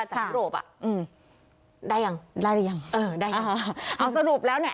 จากยุโรปอ่ะอืมได้ยังได้หรือยังเออได้ยังเอาสรุปแล้วเนี่ย